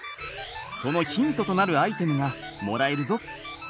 そのヒントとなるアイテムがもらえるぞ。